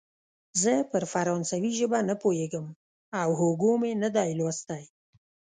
زه پر فرانسوي ژبه نه پوهېږم او هوګو مې نه دی لوستی.